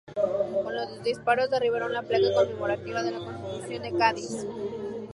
Con los disparos derribaron la placa conmemorativa de la Constitución de Cádiz.